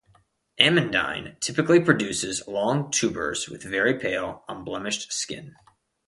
'Amandine' typically produces long tubers with very pale, unblemished skin.